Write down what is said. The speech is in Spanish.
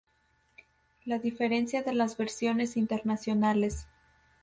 La diferencia de las versiones internacionales.